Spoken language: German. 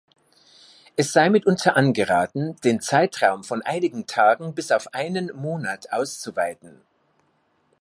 Es sei mitunter angeraten, den Zeitraum von einigen Tagen bis auf einen Monat auszuweiten.